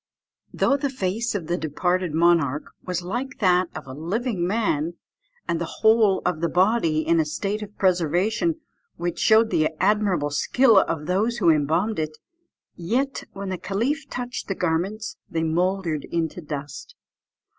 Though the face of the departed monarch was like that of a living man, and the whole of the body in a state of preservation, which showed the admirable skill of those who embalmed it, yet when the caliph touched the garments they mouldered into dust.